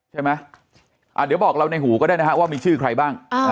ใช่ไหมเดี๋ยวบอกเราในหูก็ได้นะฮะว่ามีชื่อใครบ้าง